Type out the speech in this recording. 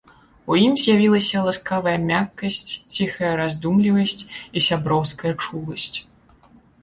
У ім з'явілася ласкавая мяккасць, ціхая раздумлівасці, і сяброўская чуласць.